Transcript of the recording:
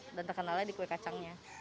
udah terkenal lagi kue kacangnya